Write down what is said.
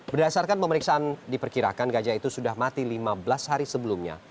berdasarkan pemeriksaan diperkirakan gajah itu sudah mati lima belas hari sebelumnya